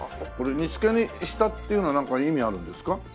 これ煮付けにしたっていうのはなんか意味あるんですか？